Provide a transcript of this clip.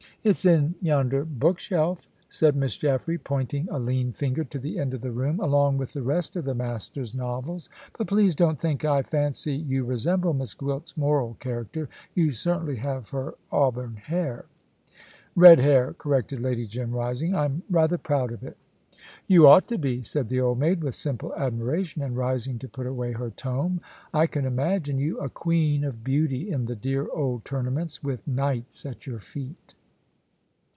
"It's in yonder bookshelf," said Miss Jaffray, pointing a lean finger to the end of the room, "along with the rest of the master's novels. But please don't think that I fancy you resemble Miss Gwilt's moral character. You certainly have her auburn hair." "Red hair," corrected Lady Jim, rising. "I'm rather proud of it." "You ought to be," said the old maid, with simple admiration, and rising to put away her tome. "I can imagine you a queen of beauty in the dear old tournaments, with knights at your feet."